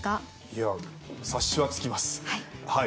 いや察しはつきますはい。